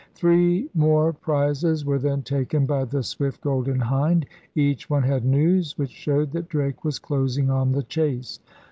Three more prizes were then taken by the swift Golden Hind. Each one had news which showed that Drake was closing on the chase.